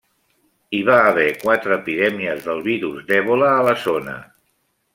Hi va haver quatre epidèmies del virus d'Ebola a la zona.